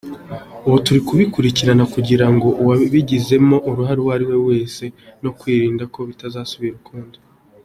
Ubu turi kubikurikirana kugira ngo uwabigizemo uruhare abihanirwe no kwirinda ko bitazasubira ukundi.